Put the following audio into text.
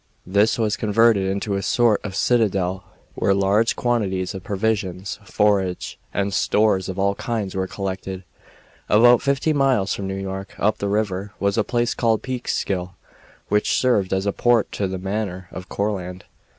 This was converted into a sort of citadel, where large quantities of provisions, forage, and stores of all kinds were collected. About fifty miles from New York, up the North River, was a place called Peekskill, which served as a port to the Manor of Courland.